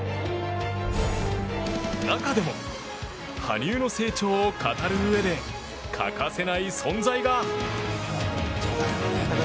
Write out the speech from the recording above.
中でも羽生の成長を語るうえで欠かせない存在が。